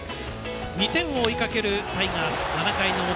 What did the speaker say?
２点を追いかけるタイガース７回の表。